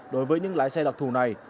đối với những lái xe đặc thù này